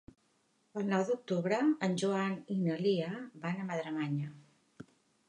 El nou d'octubre en Joan i na Lia van a Madremanya.